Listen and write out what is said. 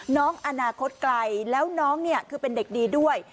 น้องอนาคตไกลแล้วน้องเนี่ยคือเป็นเด็กดีด้วย